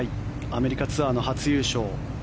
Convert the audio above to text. アメリカツアーの初優勝。